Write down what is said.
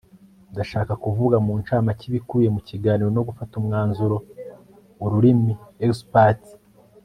ndashaka kuvuga mu ncamake ibikubiye mu kiganiro no gufata umwanzuro. (ururimiexpert